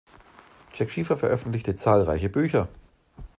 Jack Schiefer veröffentlichte zahlreiche Bücher.